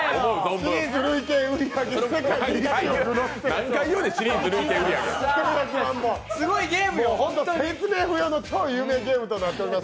シリーズ累計売り上げもう本当に説明不要の超有名ゲームとなっております。